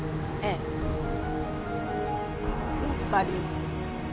やっぱり。